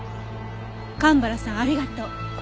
蒲原さんありがとう。